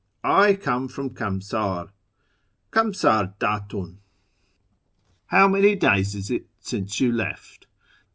I come from Kamsar — Kamsar d'dtihi. How many days is it since you left